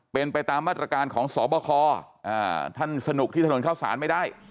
เป็นไปตามมาตรการของสบคท่านสนุกที่ถนนเข้าสารไม่ได้